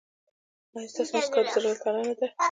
ایا ستاسو مسکا د زړه له تله نه ده؟